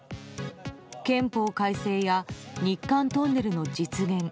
憲法改正や日韓トンネルの実現